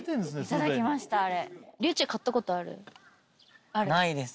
いただきましたあれ。